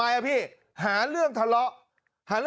การนอนไม่จำเป็นต้องมีอะไรกัน